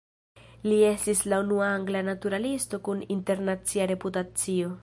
Li estis la unua angla naturalisto kun internacia reputacio.